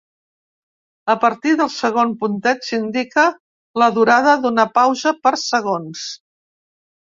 A partir del segon puntet, s'indica la durada d'una pausa per segons.